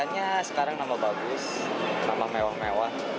ikannya sekarang nambah bagus nambah mewah mewah